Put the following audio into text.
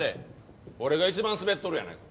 俺が一番スベっとるやないか。